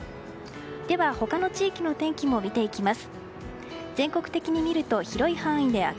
では、他の地域の天気も見ていきます。